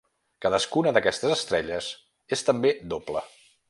Cadascuna d'aquestes estrelles és també doble.